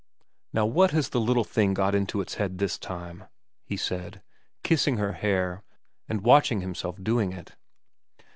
'Now what has the little thing got into its head this time ?' he said, kissing her hair, and watching himself doing it.